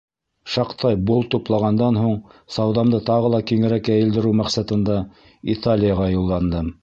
Шаҡтай бол туплағандан һуң, сауҙамды тағы ла киңерәк йәйелдереү маҡсатында Италияға юлландым.